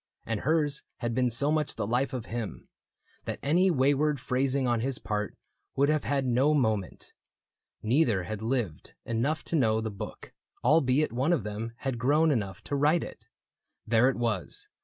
And hers had been so much the life of him. That any wayward phrasing on his part Would have had no moment. Neither had lived enough To know the book, albeit one of them Had grown enough to write it. There it was.